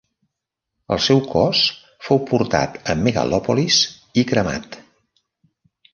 El seu cos fou portat a Megalòpolis i cremat.